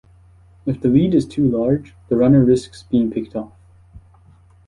If the lead is too large, the runner risks being picked off.